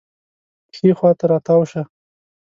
ښي خوا راتاو شه